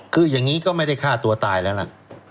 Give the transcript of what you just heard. คืออย่างนี้ก็ไม่ได้ฆ่าตัวตายแล้วล่ะ